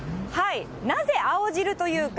なぜ青汁というか。